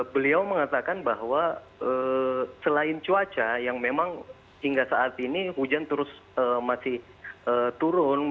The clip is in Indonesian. beliau mengatakan bahwa selain cuaca yang memang hingga saat ini hujan terus masih turun